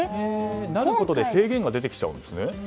成ることで制限が出てきちゃうんですね。